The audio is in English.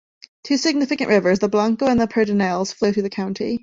Two significant rivers, the Blanco and the Pedernales, flow through the county.